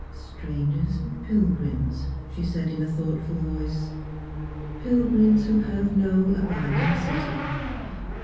" Strangers and pilgrims," she said in a thoughtful voice " Pil'n ims who hav(> no abiding city.